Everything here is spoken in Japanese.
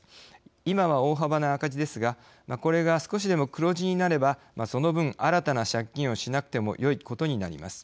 今は大幅な赤字ですがこれが少しでも黒字になればその分、新たな借金をしなくてもよいことになります。